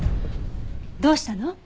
どうしたの？